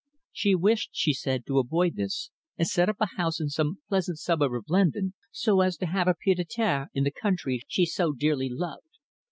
She wished, she said, to avoid this and set up a house in some pleasant suburb of London, so as to have a pied a terre in the country she so dearly loved.